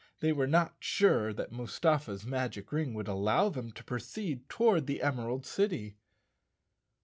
They were not sure that Mustafa's magic ring would allow them to proceed toward the Emerald City.